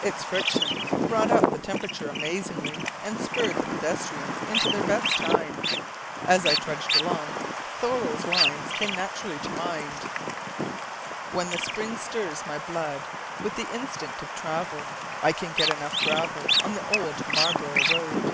Its friction brought up the temperature amazingly and spurred the pedestrians into their best time. As I trudged along, Thoreau's lines came naturally to mind: "When the spring stirs my blood With the instinct of travel, I can get enough gravel On the old Marlborough road."